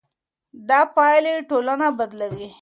دا پايلې ټولنه بدلوي.